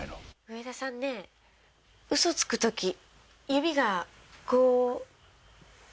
上田さんね嘘つく時指がこう。